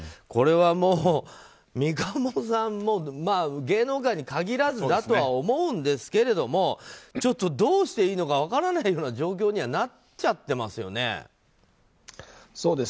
これは三鴨さんも、芸能界に限らずだとは思うんですけどちょっとどうしていいのか分からないような状況にはなっちゃってますよね。